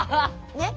ねっ。